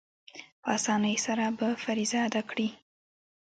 په آسانۍ سره به فریضه ادا کړي.